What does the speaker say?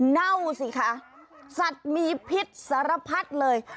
เน่าสิคะสัตว์มีพิษสารพัดเลย